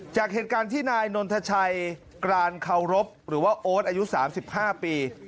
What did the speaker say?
จากเหตุการณ์ที่นายนนทชัยกรานเคารพหรือว่าโอ๊ตอายุ๓๕ปี